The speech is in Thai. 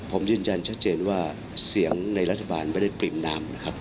ผมยืนยันชัดเจนว่าเสียงในรัฐบาลไม่ได้ปริ่มนามนะครับ